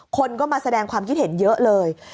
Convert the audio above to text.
คนก็มาแสดงความคิดเห็นเยอะเลย